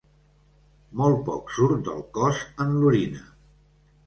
Molt poc surt del cos en l'orina.